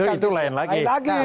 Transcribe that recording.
itu lain lagi